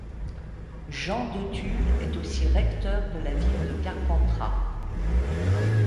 Jean de Tulles est aussi recteur de la ville de Carpentras.